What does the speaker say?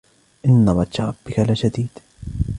إن بطش ربك لشديد